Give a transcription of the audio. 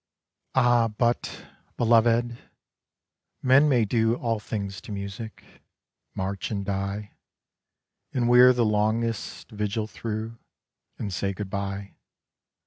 _Ah but, Belovèd, men may do All things to music; march, and die; And wear the longest vigil through, ... And say good by.